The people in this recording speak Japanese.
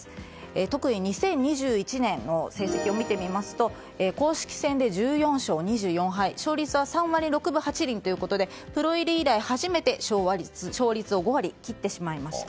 特に２０２１年の成績を見てみますと公式戦で１４勝２４敗勝率は３割６分８厘ということでプロ入り以来初めて勝率を５割切ってしまいました。